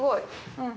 うん。